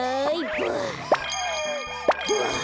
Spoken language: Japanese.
ばあ！